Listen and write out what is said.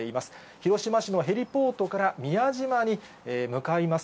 広島市のヘリポートから宮島に向かいます。